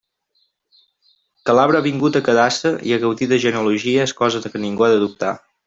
Que l'arbre ha vingut a quedar-se i a gaudir de genealogia és cosa que ningú ha de dubtar.